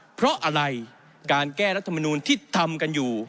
เพราะอะไรการแก้รัฐมนูลที่ทำกันอยู่